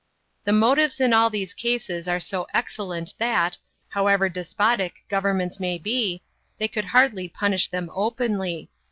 The motives in all these cases are so excellent that, however despotic governments may be, they could hardly punish them openly.